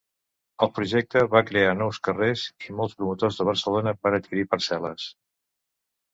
El projecte va crear nous carrers i molts promotors de Barcelona van adquirir parcel·les.